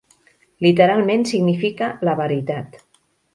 Literalment significa "la veritat".